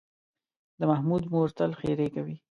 د محمود مور تل ښېرې کوي.